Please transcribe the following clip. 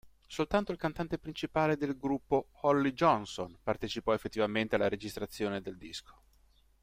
Soltanto il cantante principale del gruppo, Holly Johnson, partecipò effettivamente alla registrazione del disco.